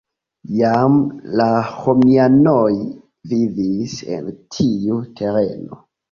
Jam la romianoj vivis en tiu tereno.